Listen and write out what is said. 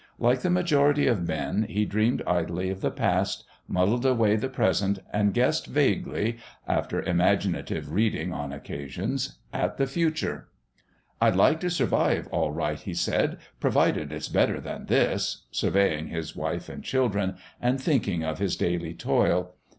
Like the majority of men, he dreamed idly of the past, muddled away the present, and guessed vaguely after imaginative reading on occasions at the future. "I'd like to survive all right," he said, "provided it's better than this," surveying his wife and children, and thinking of his daily toil.